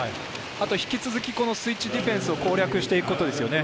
引き続きスイッチディフェンスを攻略して行くことですよね。